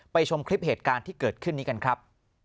ชมคลิปเหตุการณ์ที่เกิดขึ้นนี้กันครับ